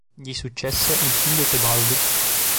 Gli successe il figlio Tebaldo.